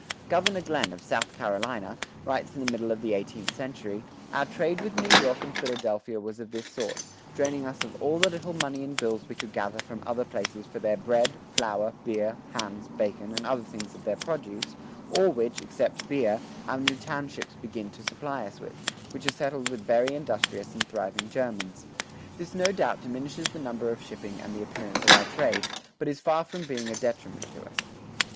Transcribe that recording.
Governor Glenn, of South Carolina, writes in the middle of the eighteenth century: "Our trade with New York and Philadelphia was of this sort, draining us of all the little money and bills we could gather from other places for their bread, flour, beer, hams, bacon, and other things of their produce, all which, except beer, our new townships begin to supply us with, which are settled with very industrious and thriving Germans. This no doubt diminishes the number of shipping and the appearance of our trade, but it is far from being a detriment to us."